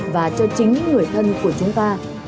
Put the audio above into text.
và cho chính những người thân của chúng ta